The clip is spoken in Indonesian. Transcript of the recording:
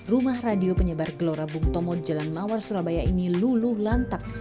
rumah radio penyebar gelora bung tomo di jalan mawar surabaya ini luluh lantak